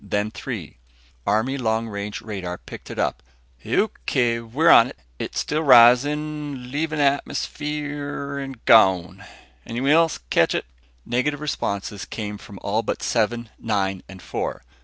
Then Three, Army long range radar, picked it up. "O.K., we're on. It's still rising ... leaving the atmosphere ... gone. Anyone else catch it?" Negative responses came from all but Seven, Nine and Four.